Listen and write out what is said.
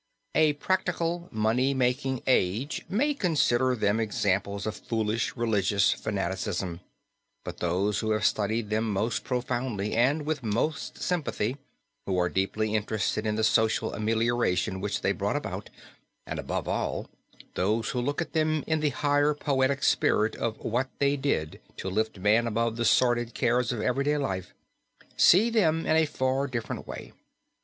A practical money making age may consider them examples of foolish religious fanaticism, but those who have studied them most profoundly and with most sympathy, who are deeply interested in the social amelioration which they brought about, and, above all, those who look at them in the higher poetic spirit of what they did to lift man above the sordid cares of everyday life, see them in a far different way.